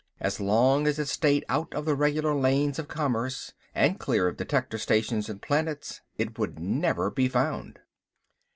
As long as it stayed out of the regular lanes of commerce, and clear of detector stations and planets, it would never be found.